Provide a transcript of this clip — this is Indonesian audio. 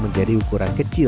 menjadi ukuran kecil